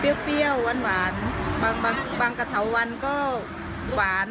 เปรี้ยวหวานบางกระเถาวันก็หวาน